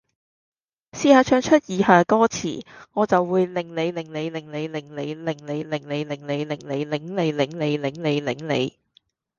試吓唱出以下歌詞：我就會令你令你令您令您，令妳令妳令你令你，擰你擰你擰你擰你！